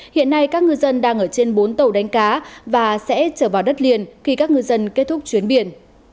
hiện nay các ngư dân đang ở trên bốn tàu đánh cá và sẽ trở vào đất liền khi các ngư dân kết thúc chuyến biển